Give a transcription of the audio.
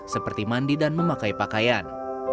seperti mandi dan memakai pakaian